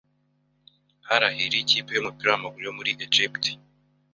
Al-Ahly ikipe y’umupira w’amaguru yo muri Egypt,